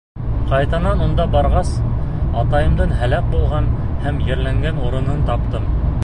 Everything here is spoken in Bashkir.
— Ҡайтанан унда барғас, атайымдың һәләк булған һәм ерләнгән урынын таптым.